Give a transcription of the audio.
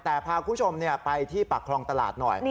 แต่พาคุณผู้ชมไปที่ปากคลองตลาดหน่อย